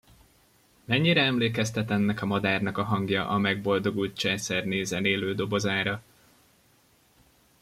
Mennyire emlékeztet ennek a madárnak a hangja a megboldogult császárné zenélő dobozára!